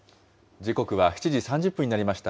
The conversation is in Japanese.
時刻は７時３０分になりました。